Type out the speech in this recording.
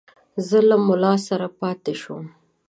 زه له مُلا سره پاته شوم.